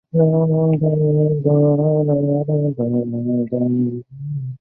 后期的小马版套件的版本也包含了不锈钢排气管和电动司机座椅。